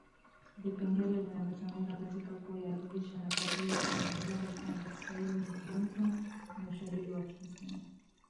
Vipengele vinavyotumika katika kuihalalisha nadharia inayodai kwamba Kiswahili ni Kibantu ni ushahidi wa kiisimu